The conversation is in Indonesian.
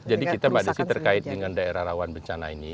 jadi kita terkait dengan daerah rawan bencana ini